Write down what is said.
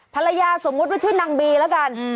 ภรรยาสมมติว่าชื่อนางบีละกัน